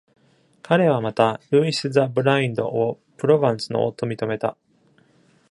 彼はまた、ルイス・ザ・ブラインドをプロヴァンスの王と認めた。